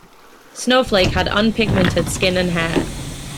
Snowflake had unpigmented skin and hair.